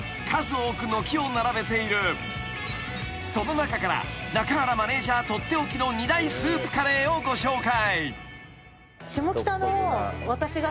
［その中から中原マネジャー取って置きの２大スープカレーをご紹介］